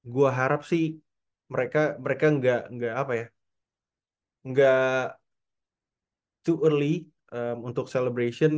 gue harap sih mereka mereka nggak nggak apa ya nggak too early untuk celebration